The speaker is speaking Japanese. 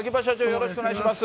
よろしくお願いします。